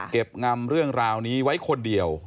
งำเรื่องราวนี้ไว้คนเดียว